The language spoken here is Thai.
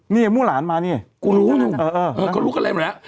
นี่มู้หลานมานี่กูรู้นุ่มกูรู้กันเลย